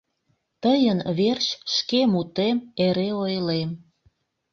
Тыйын верч шке мутем эре ойлем.